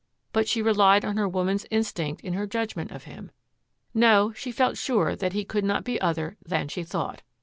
But she relied on her woman's instinct in her judgment of him. No, she felt sure that he could not be other than she thought.